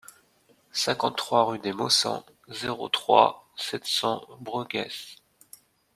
cinquante-trois rue des Maussangs, zéro trois, sept cents Brugheas